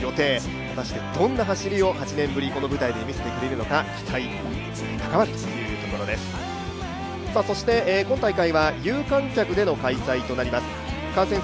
果たしてどんな走りを８年ぶりの舞台で見せてくるのか、期待が高まるところです。